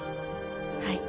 はい。